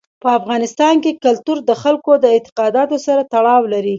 په افغانستان کې کلتور د خلکو د اعتقاداتو سره تړاو لري.